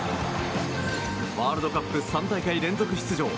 ワールドカップ３大会連続出場。